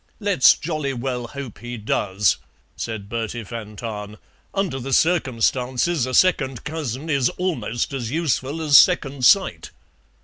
"Let's jolly well hope he does," said Bertie van Tahn; "under the circumstances a second cousin is almost as useful as second sight."